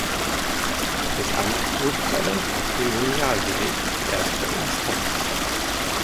Das Amt wurde zu einem Patrimonialgericht erster Instanz.